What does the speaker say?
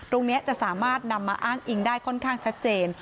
ตรงนี้จะสามารถนำมาอ้างอิงได้ขนาดที่ซัดเจน